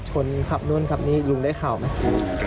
เจ๊เขาบอกว่าอีกฝ่ายเอารถเขาไปขับ